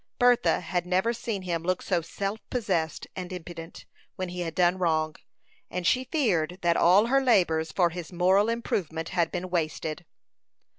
Bertha had never seen him look so self possessed and impudent when he had done wrong, and she feared that all her labors for his moral improvement had been wasted.